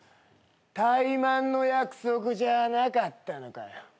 タイマンの約束じゃなかったのかよ。